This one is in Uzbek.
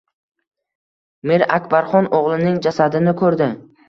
Mir Akbarxon o’g’lining jasadini ko’rdi.